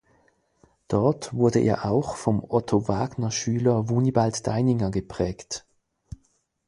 Dort wurde er auch vom Otto-Wagner-Schüler Wunibald Deininger geprägt.